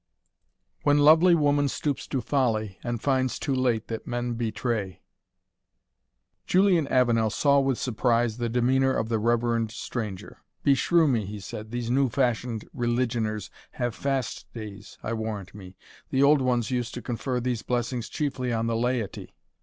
When lovely woman stoops to folly, And finds too late that men betray Julian Avenel saw with surprise the demeanour of the reverend stranger. "Beshrew me," he said, "these new fashioned religioners have fast days, I warrant me the old ones used to confer these blessings chiefly on the laity."